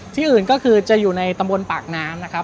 ที่อื่นก็คือจะอยู่ในตำบลปากน้ำนะครับ